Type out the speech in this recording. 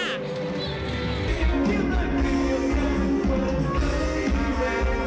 ยิ่งดึกก็ยิ่งคือข่าวเมื่อสี่หนุ่มเจสเตอร์